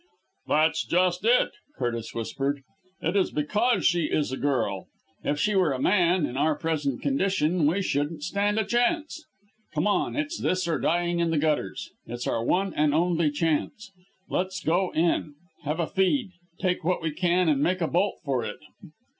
"That's just it!" Curtis whispered; "it is because she is a girl. If she were a man, in our present condition we shouldn't stand a chance. Come! It's this or dying in the gutters. It's our one and only chance. Let's go in have a feed take what we can and make a bolt for it.